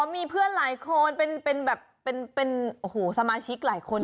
มีเพื่อนหลายคนเป็นแบบเป็นโอ้โหสมาชิกหลายคน